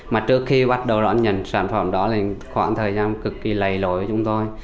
mà trước khi bắt đầu đón nhận sản phẩm đó thì khoảng thời gian cực kỳ lầy lối với chúng tôi